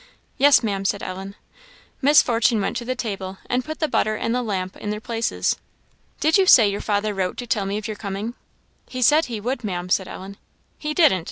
"Yes, Maam," said Ellen. Miss Fortune went to the table, and put the butter and the lamp in their places. "Did you say your father wrote to tell me of your coming?" "He said he would, Maam," said Ellen. "He didn't!